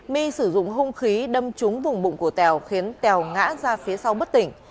my sử dụng hung khí đâm trúng vùng bụng của tèo khiến tèo ngã ra phía sau bất tỉnh